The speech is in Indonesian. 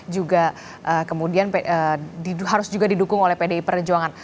juga kemudian harus juga didukung oleh pdi perjuangan